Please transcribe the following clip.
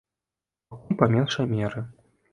Пакуль па меншай меры.